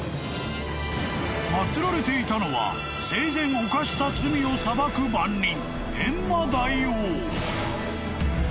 ［祭られていたのは生前犯した罪を裁く番人］